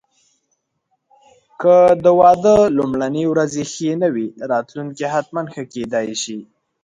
که د واده لومړني ورځې ښې نه وې، راتلونکی حتماً ښه کېدای شي.